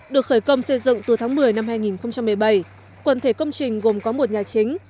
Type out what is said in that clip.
được khởi công xây dựng từ tháng một mươi năm hai nghìn một mươi bảy quần thể công trình gồm có một nhà chính